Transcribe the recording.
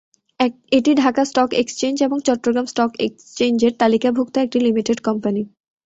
এটি Dhaka stock exchange এবং Chittagong stock এক্সচেঞ্জের তালিকাভুক্ত একটি লিমিটেড কোম্পানি।